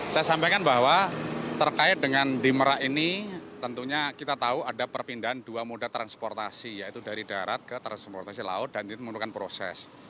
saya sampaikan bahwa terkait dengan di merak ini tentunya kita tahu ada perpindahan dua moda transportasi yaitu dari darat ke transportasi laut dan itu merupakan proses